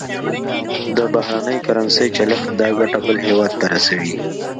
د بهرنۍ کرنسۍ چلښت دا ګټه بل هېواد ته رسوي.